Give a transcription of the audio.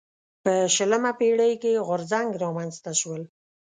په شلمه پېړۍ کې غورځنګ رامنځته شول.